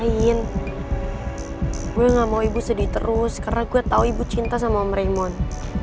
amin gue nggak mau ibu sedih terus karena gue tau ibu cinta sama om raymond